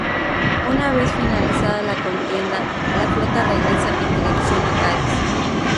Una vez finalizada la contienda, la flota regresa en dirección a Cádiz.